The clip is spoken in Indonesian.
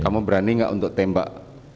kamu berani nggak untuk tembak